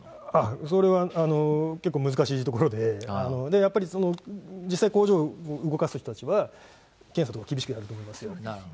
それは結構難しいところで、やっぱり実際、工場を動かす人たちは検査とか厳しくやると思いますよ。